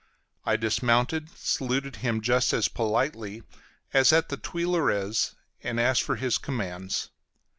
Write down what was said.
I dismounted, saluted him just as politely as at the Tuileries, and asked for his commands.